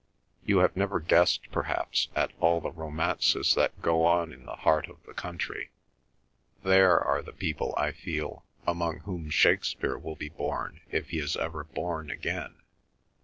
You have never guessed, perhaps, at all the romances that go on in the heart of the country. There are the people, I feel, among whom Shakespeare will be born if he is ever born again.